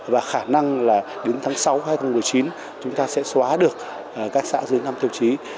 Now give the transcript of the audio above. và khả năng là đến tháng sáu hai nghìn một mươi chín chúng ta sẽ xóa được các xã dưới năm tiêu chí